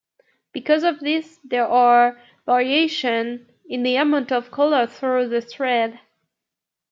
Because of this, there are variations in the amount of color throughout the thread.